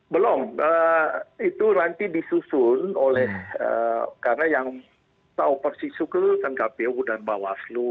belum itu nanti disusun oleh karena yang tahu persis itu kan kpu dan bawaslu